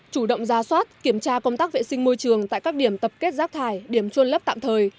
chủ động ra soát kiểm tra công tác vệ sinh môi trường tại các điểm tập kết rác thải điểm trôn lấp tạm thời